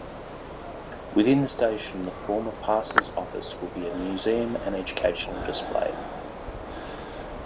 Within the station the former Parcels Office will be a museum and educational display.